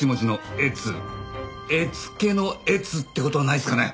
絵付けの「えつ」って事はないですかね？